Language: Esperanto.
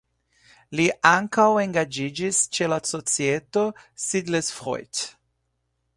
Li ankaŭ engaĝiĝis ĉe la societo "Siedlersfreud".